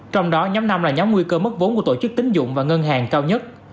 trong đó nhóm năm là nhóm nguy cơ mất vốn của tổ chức tính dụng và ngân hàng cao nhất